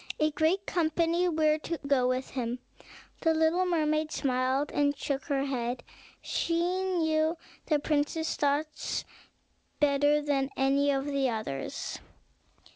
A great company were to go with him. The little mermaid smiled, and shook her head. She knew the prince's thoughts better than any of the others.